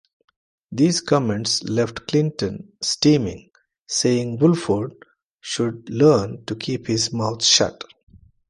These comments left Clinton steaming, saying Woolford should learn to keep his mouth shut.